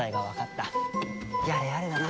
やれやれだな。